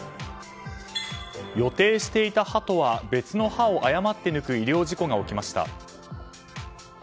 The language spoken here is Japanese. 予定していた歯とは別の歯を誤って抜く医療事故が起きました。